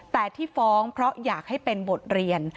แต่ที่ฟ้องเพราะอยากให้เป็นบทเรียน